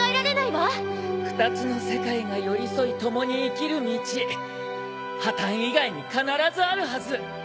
２つの世界が寄り添い共に生きる道破綻以外に必ずあるはず！